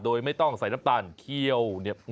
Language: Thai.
โดยไม่ต้องใส่น้ำตาลเคี่ยว